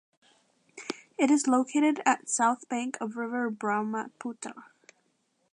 It is located at south bank of river Brahmaputra.